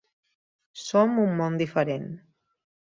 Som un món diferent.